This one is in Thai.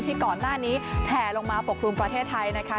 ก่อนหน้านี้แผ่ลงมาปกครุมประเทศไทยนะคะ